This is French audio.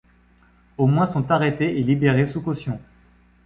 Au moins sont arrêtées et libérées sous caution.